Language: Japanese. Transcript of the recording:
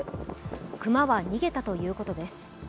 熊は逃げたということです。